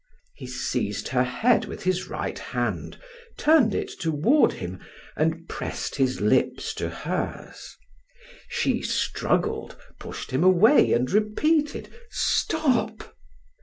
He seized her head with his right hand, turned it toward him and pressed his lips to hers. She struggled, pushed him away and repeated: "Stop!"